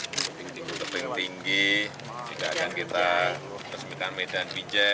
tinggi tinggi tebing tinggi kita akan kita resmikan medan pijai